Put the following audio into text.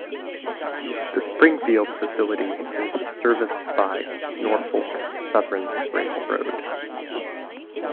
The Springfield facility is serviced by Norfolk Southern Railroad.